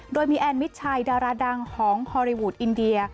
โดยมีแอนมิดชัยดาราดังของฮอลลีวูดอินเดีย